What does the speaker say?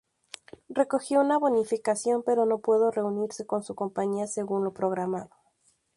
Recogió una bonificación pero no pudo reunirse con su compañía según lo programado.